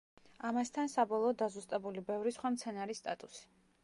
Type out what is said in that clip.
ამასთან, საბოლოოდ დაზუსტებული ბევრი სხვა მცენარის სტატუსი.